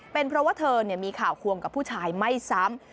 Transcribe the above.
เป็นเพราะว่าเธอมีข่าวควงกับผู้ชายไม่ซ้ำ